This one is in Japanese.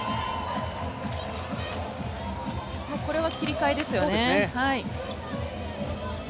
これは切り替えですよね。